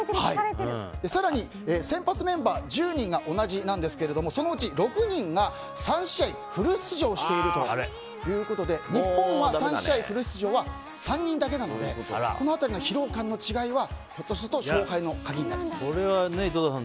更に先発メンバー１０人が同じなんですけどそのうち６人が３試合フル出場しているということで日本は３試合フル出場は３人だけなのでこの辺り疲労感の違いはひょっとするとこれは井戸田さん